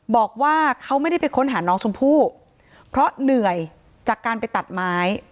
บอกว่าเขาไม่ได้ไปค้นหาน้องชมพู่เพราะเหนื่อยจากการไปตัดไม้